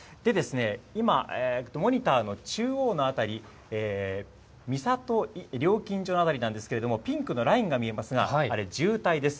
今、モニターの中央の辺り、三郷料金所の辺りなんですけれども、ピンクのラインが見えますが、あれ、渋滞です。